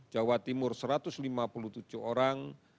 jawa timur satu ratus lima puluh tujuh orang